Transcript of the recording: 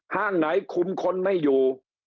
ห้างไหนคุมคนไม่อยู่